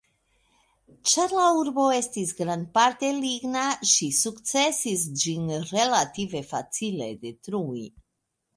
Ĉar la urbo estis grandparte ligna, ŝi sukcesis ĝin relative facile detrui.